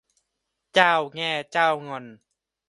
เจ้าแง่เจ้างอน